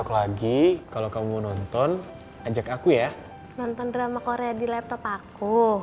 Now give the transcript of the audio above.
terima kasih bos